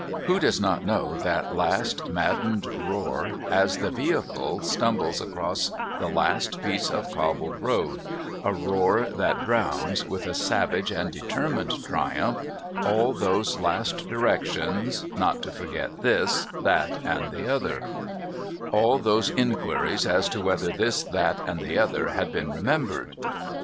Who does not know that last maddened roar as the vehicle stumbles across the last piece of cobbled road a roar that drowns, with a savage and determined triumph, all those last directions not to forget this, that, and the other; all those inquiries as to whether this, that, and the other had been remembered?